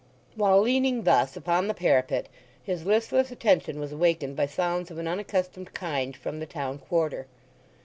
While leaning thus upon the parapet his listless attention was awakened by sounds of an unaccustomed kind from the town quarter.